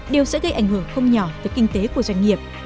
đều sẽ gây ảnh hưởng không nhỏ tới kinh tế của doanh nghiệp